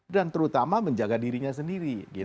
dan terutama menjaga dirinya sendiri